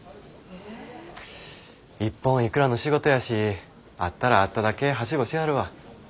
一本いくらの仕事やしあったらあっただけハシゴしはるわ。